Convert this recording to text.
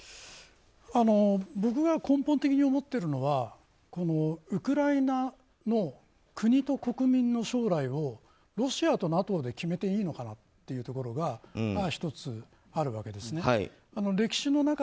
僕が根本的に思っているのはウクライナの国と国民の将来をロシアとＮＡＴＯで決めていいのかなというところは１つあるわけですね。